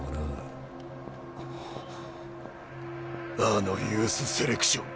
あのユースセレクション。